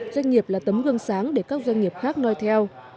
doanh nghiệp là tấm gương sáng để các doanh nghiệp khác nói theo